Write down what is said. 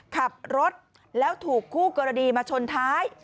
ขับรถแล้วถูกคู่กรณีมาชนท้าย